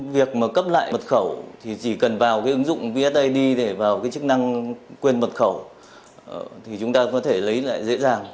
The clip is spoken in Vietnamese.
việc mà cấp lại mật khẩu thì chỉ cần vào cái ứng dụng bid để vào cái chức năng quyền mật khẩu thì chúng ta có thể lấy lại dễ dàng